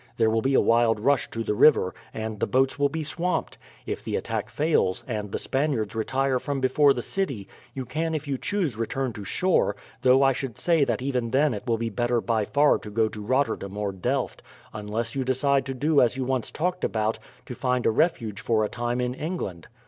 There will be a wild rush to the river, and the boats will be swamped. If the attack fails, and the Spaniards retire from before the city, you can if you choose return to shore, though I should say that even then it will be better by far to go to Rotterdam or Delft; unless you decide to do as you once talked about, to find a refuge for a time in England."